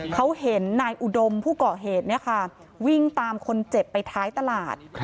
เขาเห็นนายอุดมผู้ก่อเหตุวิ่งตามคนเจ็บไปท้ายตลาด